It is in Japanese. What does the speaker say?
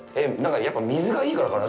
やっぱ水がいいからかな。